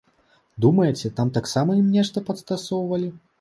Думаеце, там таксама ім нешта падтасоўвалі?